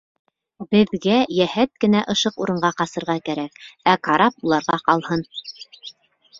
Беҙгә йәһәт кенә ышыҡ урынға ҡасырға кәрәк, ә карап уларға ҡалһын!